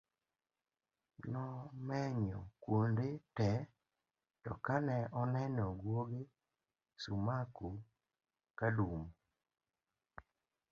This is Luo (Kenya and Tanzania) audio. nomenyo kuonde te to ka ne oneno gwoge Sumaku kadum